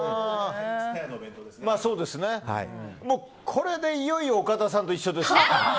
これでいよいよ岡田さんと一緒ですね。